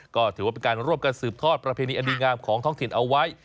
ก็ถือว่าเป็นการร่วมกันสืบทอดประเพณีอดีงามของท้องถิ่นเอาไว้